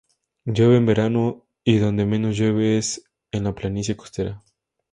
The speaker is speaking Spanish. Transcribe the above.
Llueve en verano y donde menos llueve es en la planicie costera.